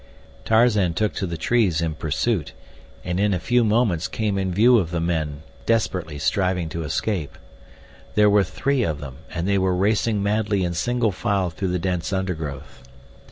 Tarzan took to the trees in pursuit, and in a few moments came in view of the men desperately striving to escape. There were three of them, and they were racing madly in single file through the dense undergrowth.